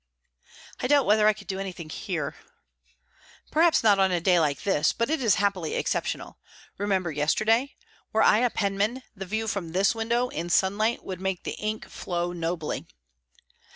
"I doubt whether I could do anything here." "Perhaps not on a day like this; but it is happily exceptional. Remember yesterday. Were I a penman, the view from this window in sunlight would make the ink flow nobly."